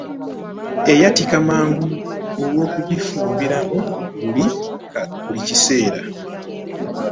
Eyatika mangu olwokugifumbiramu buli kiseera .